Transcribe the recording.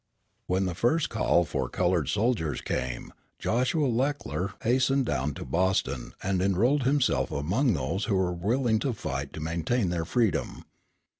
When the first call for colored soldiers came, Joshua Leckler hastened down to Boston, and enrolled himself among those who were willing to fight to maintain their freedom.